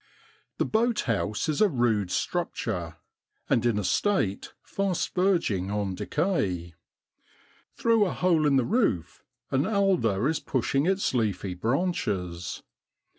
The boat house is a rude structure, and in a state fast verging on decay. Through a hole in the roof an alder is pushing its leafy branches.